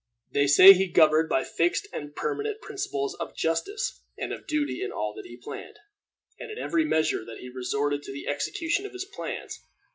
They saw him governed by fixed and permanent principles of justice and of duty in all that he planned, and in every measure that he resorted to in the execution of his plans.